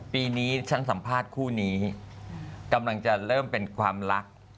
ปีนี้ฉันสัมภาษณ์คู่นี้กำลังจะเริ่มเป็นความรัก